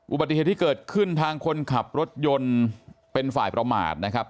อุบัติเหตุที่เกิดขึ้นทางคนขับรถยนต์เป็นฝ่ายประมาทนะครับ